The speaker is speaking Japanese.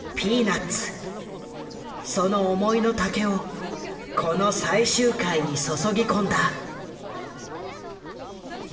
その思いの丈をこの最終回に注ぎ込んだ。